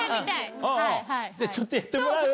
ちょっとやってもらう？